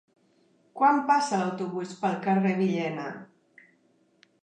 Quan passa l'autobús pel carrer Villena?